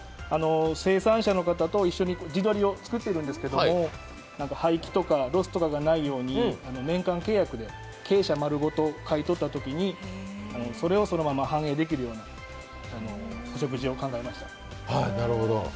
生産者の方と一緒に地鶏を作っているんですけど廃棄とかロスとかがないように年間契約で鶏舎丸ごと買い取ったときにそれをそのまま反映できるように食事を考えました。